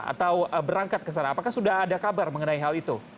atau berangkat ke sana apakah sudah ada kabar mengenai hal itu